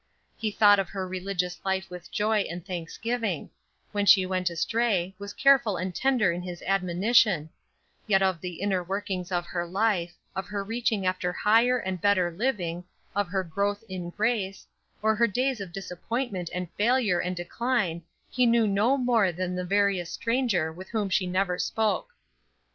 He thought of her religious life with joy and thanksgiving; when she went astray, was careful and tender in his admonition; yet of the inner workings of her life, of her reaching after higher and better living, of her growth in grace, or her days of disappointment and failure and decline he knew no more than the veriest stranger with whom she never spoke.